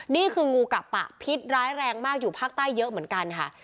นี่คืองูกะปะพิษร้ายแรงมากอยู่ภาคใต้เยอะเหมือนกันค่ะ